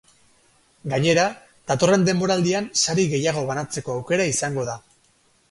Gainera, datorren denboraldian sari gehiago banatzeko aukera izango da.